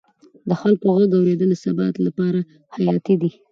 د خلکو غږ اورېدل د ثبات لپاره حیاتي دی